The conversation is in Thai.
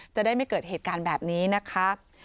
จะได้ไม่เกิดเหตุการณ์แบบนี้นะคะ